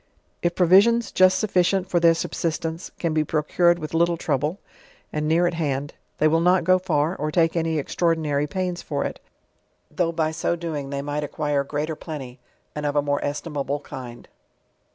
If provisions, just sufficient for the ii* subsistence, can ^be procured with little trouble, and near a: ban j, they will not go far, or take any extraordinary pains for it t though by so doing they might acquire greater plenty and of a more estimable kind.